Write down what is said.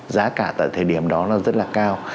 giá cả tại thời điểm đó là rất là cao